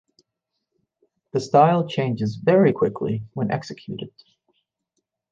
The style changes very quickly when executed.